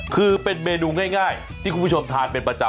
คือเป็นเมนูง่ายที่คุณผู้ชมทานเป็นประจำ